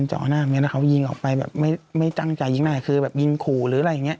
หรืออะไรอย่างนี้ยิงขุเมีย